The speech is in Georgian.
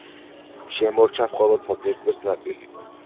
შემორჩა მხოლოდ საძირკვლის ნაწილი.